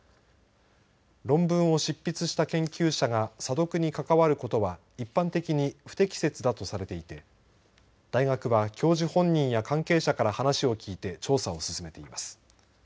論文を執筆した研究者が査読に関わることは一般的に不適切だとされていて大学は教授本人や関係者から話を聞いて調査を進めています。